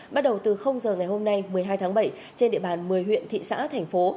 bắt đầu từ giờ ngày hôm nay một mươi hai tháng bảy trên địa bàn một mươi huyện thị xã thành phố